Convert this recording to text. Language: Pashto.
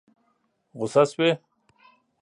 غوسه شوې؟